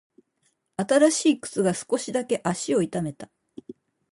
新しい靴が少しだけ足を痛めた。